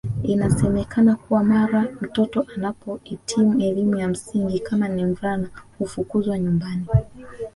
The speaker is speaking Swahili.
Inasemekana kuwa mara mtoto anapoitimu elimu ya msingi kama ni mvulana ufukuzwa nyumbani